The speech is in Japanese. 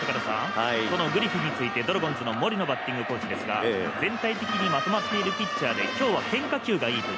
そのグリフィンについて森野バッティングコーチですが全体的にまとまっているピッチャーで、今日は変化球がいいと。